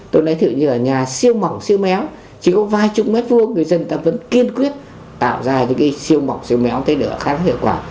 tôi lấy thử nhờ nhà siêu mỏng siêu méo chỉ có vài chục mét vuông người dân ta vẫn kiên quyết tạo ra những cái siêu mỏng siêu méo tây đỡ khá là hiệu quả